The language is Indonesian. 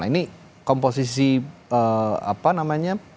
ini komposisi apa namanya